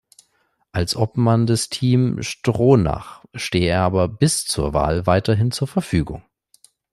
Als Obmann des Team Stronach stehe er aber bis zur Wahl weiterhin zur Verfügung.